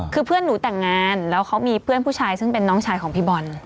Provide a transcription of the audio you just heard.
คือเพื่อนหนูแต่งงานแล้วเขามีเพื่อนผู้ชายซึ่งเป็นน้องชายของพี่บอล